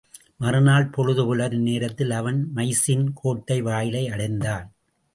மறு நாள் பொழுது புலரும் நேரத்தில் அவன் மைசீன் கோட்டை வாயிலை அடைந்தான்.